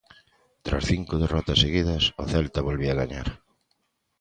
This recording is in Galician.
Tras cinco derrotas seguidas o Celta volvía gañar.